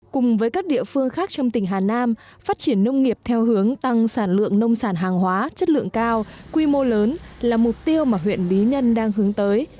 cùng với các địa phương khác trong tỉnh hà nam phát triển nông nghiệp theo hướng tăng sản lượng nông sản hàng hóa chất lượng cao quy mô lớn là mục tiêu mà huyện bí nhân đang hướng tới